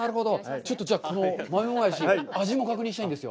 ちょっとじゃあ、この豆もやし、味も確認したいんですよ。